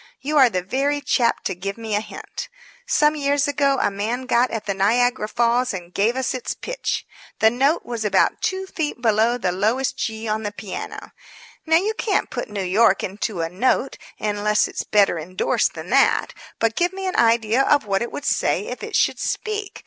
You are the very chap to give me a hint. Some years ago a man got at the Niagara Falls and gave us its pitch. The note was about two feet below the lowest G on the piano. Now, you can't put New York into a note unless it's better indorsed than that. But give me an idea of what it would say if it should speak.